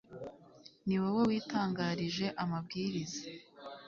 Ni wowe witangarije amabwiriza